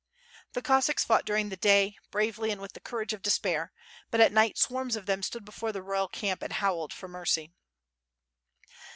The Cossacks fought during the day, bravely and with the courage of despair, but at night swarms of them stood before the royal camp and howled for mercy.